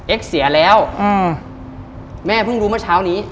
เอ็กซ์เสียแล้วแม่พึ่งดูมาเช้านี้